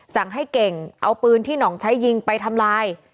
สั่งให้เก่งเอาปืนที่หนองใช้ยิงไปทำลาย